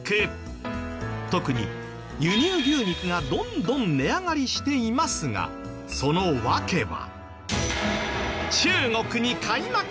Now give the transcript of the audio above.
特に輸入牛肉がどんどん値上がりしていますがその訳は。